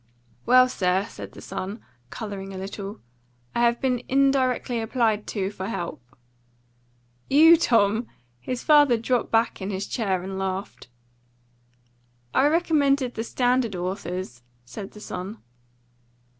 "Well, sir," said the son, colouring a little, "I have been indirectly applied to for help." "You, Tom!" His father dropped back in his chair and laughed. "I recommended the standard authors," said the son.